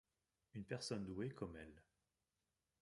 Une personne douée comme elle.